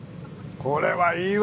これはいいわ。